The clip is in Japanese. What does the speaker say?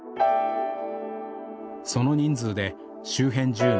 その人数で周辺住民